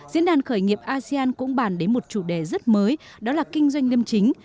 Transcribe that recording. diễn đàn khởi nghiệp asean cũng bàn đến một chủ đề rất mới đó là kinh doanh liêm chính